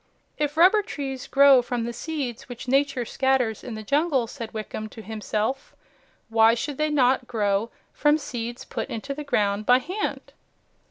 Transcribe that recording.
"If rubber trees grow from the seeds which nature scatters in the jungle," said Wickham to himself, "why should they not grow from seeds put into the ground by hand?"